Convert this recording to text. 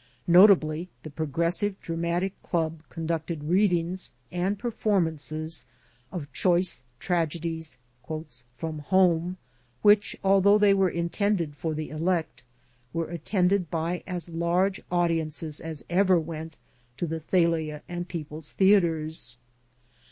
Notably the Progressive Dramatic Club conducted readings and performances of choice tragedies "from home," which, although they were intended for the elect, were attended by as large audiences as ever went to the Thalia and People's theaters.